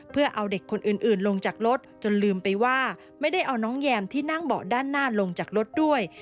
เพื่อเอาเด็กคนอื่นลงจากรถจนลืมไปว่าไม่ได้เอาน้องแยมที่นั่งเบาะด้านหน้าลงจากรถด้วย